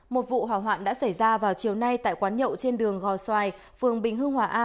một vụ hỏa hoạn đã xảy ra vào chiều nay tại quán nhậu trên đường gò xoài phường bình hưng hòa a